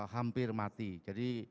hampir mati jadi